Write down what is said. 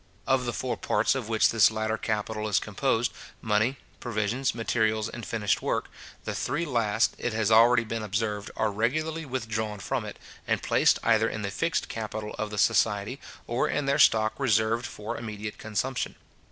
Of the four parts of which this latter capital is composed, money, provisions, materials, and finished work, the three last, it has already been observed, are regularly withdrawn from it, and placed either in the fixed capital of the society, or in their stock reserved for immediate consumption.